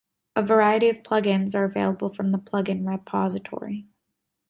A variety of plug-ins are available from the Plugin Repository.